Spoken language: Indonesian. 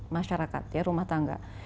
masyarakat rumah tangga